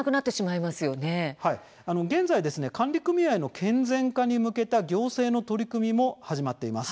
現在、管理組合の健全化に向けた行政の取り組みも始まっています。